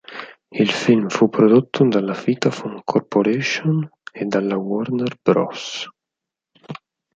Il film fu prodotto dalla Vitaphone Corporation e dalla Warner Bros.